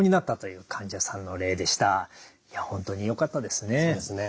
いや本当によかったですね。